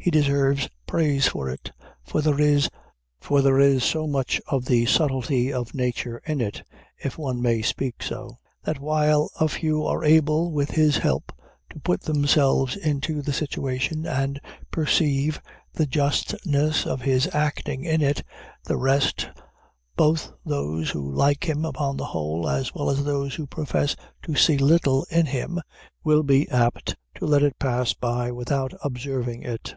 He deserves praise for it; for there is so much of the subtilty of nature in it, if one may so speak, that while a few are able, with his help, to put themselves into the situation, and perceive the justness of his acting in it, the rest, both those who like him upon the whole, as well as those who profess to see little in him, will be apt to let it pass by without observing it.